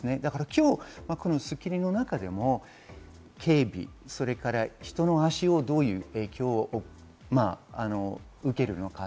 今日『スッキリ』の中でも警備、人の足を、どういう影響が受けるのか。